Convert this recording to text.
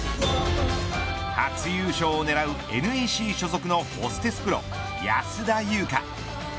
初優勝を狙うＮＥＣ所属のホステスプロ安田祐香。